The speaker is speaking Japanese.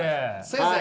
先生！